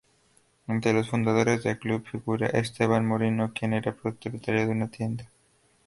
Entre los fundadores del club, figura Esteban Marino quien era propietario de una tienda.